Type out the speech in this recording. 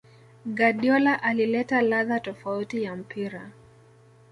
Guardiola alileta ladha tofauti ya mpira